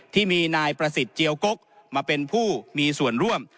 ที่มีนายประสิทธิ์เจียวกกมาเป็นผู้มีส่วนร่วม